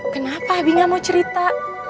kenapa abi gak mau cerita